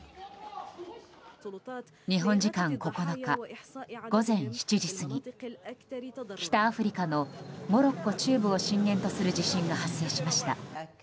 日本時間９日、午前７時過ぎ北アフリカのモロッコ中部を震源とする地震が発生しました。